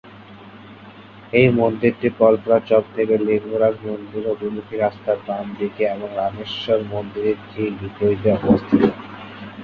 এই মন্দিরটি কল্পনা চক থেকে লিঙ্গরাজ মন্দিরের অভিমুখী রাস্তার বাম দিকে এবং রামেশ্বর মন্দিরের ঠিক বিপরীতে অবস্থিত।